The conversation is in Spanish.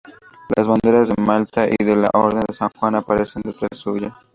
Las banderas de Malta y de la Orden de San Juan aparecen detrás suya.